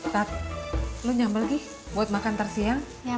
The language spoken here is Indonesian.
tat lu nyampe lagi buat makan tersiang ya